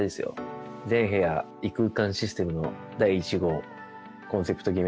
全部屋異空間システムの第一号コンセプト決めなんで。